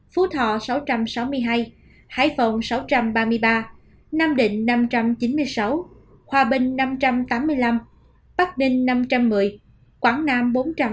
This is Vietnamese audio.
phú thọ sáu trăm sáu mươi hai hải phòng sáu trăm ba mươi ba nam định năm trăm chín mươi sáu hòa bình năm trăm tám mươi năm bắc ninh năm trăm một mươi quảng nam bốn trăm một mươi